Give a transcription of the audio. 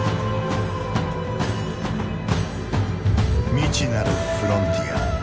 未知なるフロンティア。